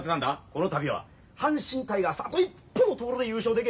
この度は阪神タイガースあと一歩のところで優勝でけ